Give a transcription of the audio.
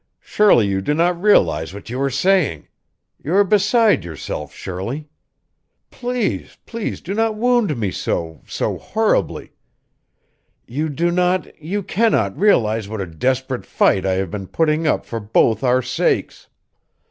Surely you do not realize what you are saying. You are beside yourself, Shirley. Please please do not wound me so so horribly. You do not you cannot realize what a desperate fight I have been putting up for both our sakes.